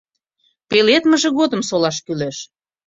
Пеледмыже годым солаш кӱлеш.